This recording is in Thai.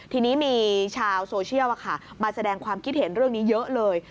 ทีนี้มีชาวโซเชียลมาแสดงความคิดเห็นเรื่องนี้เยอะเลย